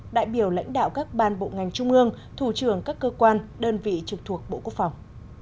đại biểu lãnh đạo các ban bộ ngành trung ương thủ trưởng các cơ quan đơn vị trực thuộc bộ quốc phòng